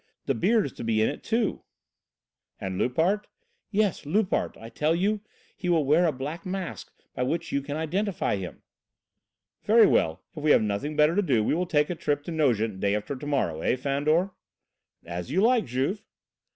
The Beard is to be in it, too." "And Loupart?" "Yes, Loupart, I tell you. He will wear a black mask by which you can identify him." "Very well, if we have nothing better to do we will take a trip to Nogent day after to morrow; eh, Fandor?" "As you like, Juve."